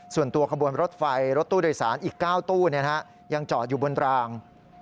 ขบวนรถไฟรถตู้โดยสารอีก๙ตู้ยังจอดอยู่บนราง